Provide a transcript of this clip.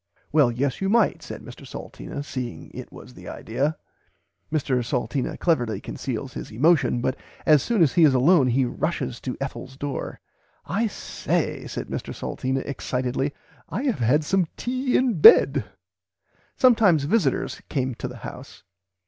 Well yes you might said Mr Salteena seeing it was the idear." Mr Salteena cleverly conceals his emotion, but as soon as he is alone he rushes to Ethel's door, "I say said Mr Salteena excitedly I have had some tea in bed." "Sometimes visitors came to the house."